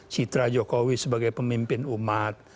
citra jokowi sebagai pemimpin umat